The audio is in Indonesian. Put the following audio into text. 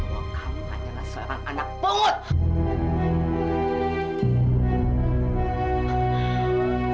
bahwa kamu adalah seorang anak belut